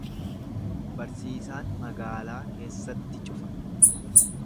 Barsiisaan magaalaa keessatti cufa.